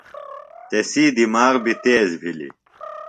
تسی دماغ بیۡ تیز بِھلیۡ۔